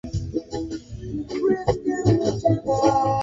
Usikuwe na ukabila.